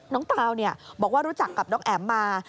น้องตาวเนี่ยบอกว่ารู้จักกับน้องแอ๋มมา